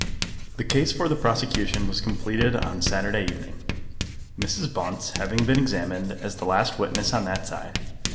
The case for the prosecution was completed on the Saturday evening, Mrs. Bunce having been examined as the last witness on that side.